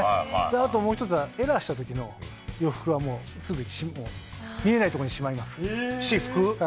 あともう一つはエラーしたときの洋服はもうすぐ見えない所にしま私服？